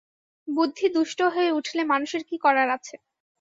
বুদ্ধি দুষ্ট হয়ে উঠলে মানুষের কী করার আছে?